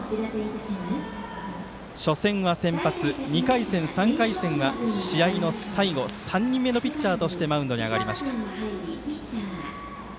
初戦は先発２回戦、３回戦は試合の最後３人目のピッチャーとしてマウンドに上がりました。